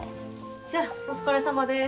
じゃあお疲れさまです。